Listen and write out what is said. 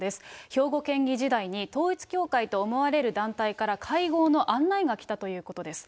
兵庫県議時代に、統一教会と思われる団体から、会合の案内が来たということです。